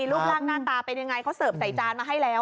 รูปร่างหน้าตาเป็นยังไงเขาเสิร์ฟใส่จานมาให้แล้ว